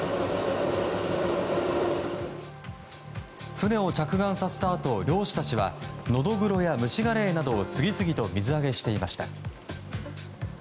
船を着岸させたあと漁師たちはノドグロやムシガレイなどを次々と水揚げしていました。